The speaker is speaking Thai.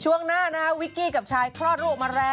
ช่วงหน้านะฮะวิกกี้กับชายคลอดลูกออกมาแล้ว